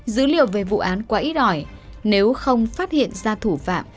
dữ liệu về vụ án quá ít ỏi nếu không phát hiện ra thủ phạm